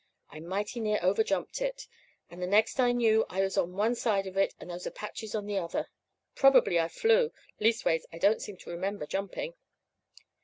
I mighty near overjumped it; and the next I knew I was on one side of it and those Apaches on the other. Probably I flew; leastways I don't seem to remember jumping.